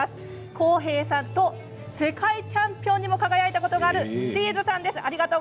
コーヘイさんと世界チャンピオンにも輝いたことがあるスティーズさんです。